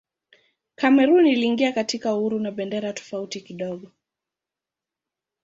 Kamerun iliingia katika uhuru na bendera tofauti kidogo.